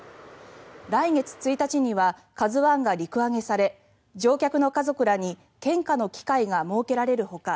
来月１日には「ＫＡＺＵ１」が陸揚げされ乗客の家族らに献花の機会が設けられるほか